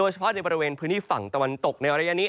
เฉพาะในบริเวณพื้นที่ฝั่งตะวันตกในระยะนี้